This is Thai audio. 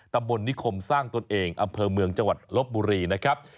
ตำบลนิคมสร้างตนเองอำเภอเมืองจังหวัดลบบุรีนะครับ